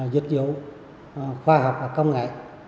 dịch vụ khoa học và công nghệ